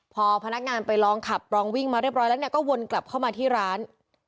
พอพนักงานไปลองขับลองวิ่งมาเรียบร้อยแล้วเนี่ยก็วนกลับเข้ามาที่ร้าน